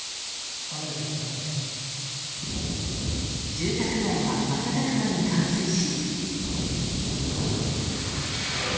住宅街は瞬く間に冠水し。